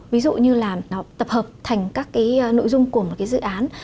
ví dụ như là nó tập hợp thành các cái nội dung của một cái dự án